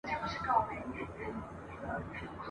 زه پانوس غوندي بلېږم دا تیارې رڼا کومه !.